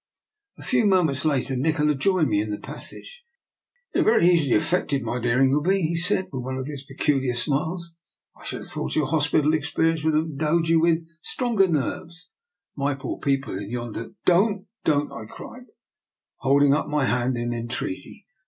A few moments later Nikola joined me in the passage. " You are very easily aflfected, my dear Ingleby," he said, with one of his peculiar smiles. " I should have thought your hospi tal experience would have endowed you with stronger nerves. My poor people in yon der "" Don't, don't," I cried, holding up my hand in entreaty.